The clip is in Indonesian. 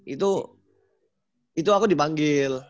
itu itu aku dipanggil